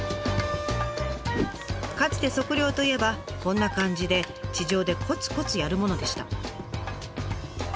かつて測量といえばこんな感じで地上でコツコツやるものでした。